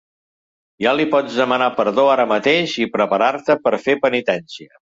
Ja li pots demanar perdó ara mateix i preparar-te per fer penitència.